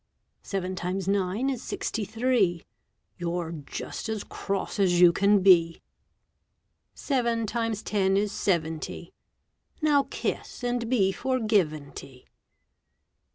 Seven times nine is sixty three. You're just as cross as you can be. Seven times ten is seventy. Now kiss and be forgiven ty.